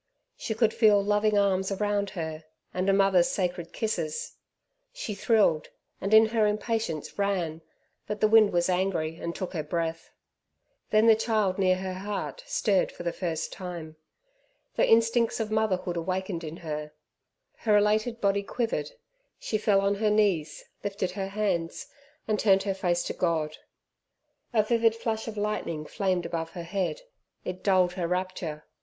She could feel loving arms around her, and a mother's sacred kisses. She thrilled, and in her impatience ran, but the wind was angry and took her breath. Then the child near her heart stirred for the first time. The instincts of motherhood awakened in her. Her elated body quivered, she fell on her knees, lifted her hands, and turned her face to God. A vivid flash of lightning flamed above her head. It dulled her rapture.